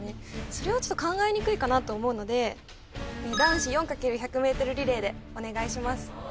それはちょっと考えにくいかなと思うので男子４×１００ｍリレーでお願いします